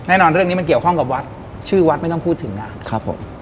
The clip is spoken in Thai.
แน่นอนเรื่องนี้มันเกี่ยวข้องกับวัดชื่อวัดไม่ต้องพูดถึงนะครับผม